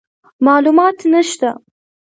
معلومات نشته،